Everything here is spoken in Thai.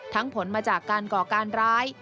ผลมาจากการก่อการร้าย